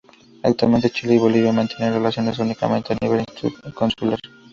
Actualmente Chile y Bolivia mantienen relaciones únicamente al nivel consular.